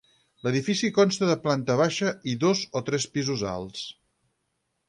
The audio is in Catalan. L'edifici consta de planta baixa i dos o tres pisos alts.